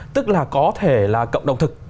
tức là có thể là cộng đồng thực